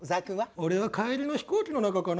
俺は帰りの飛行機の中かな？